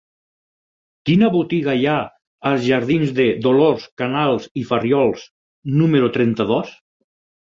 Quina botiga hi ha als jardins de Dolors Canals i Farriols número trenta-dos?